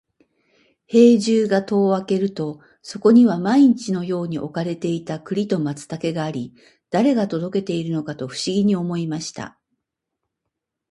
兵十が戸を開けると、そこには毎日のように置かれていた栗と松茸があり、誰が届けているのかと不思議に思いました。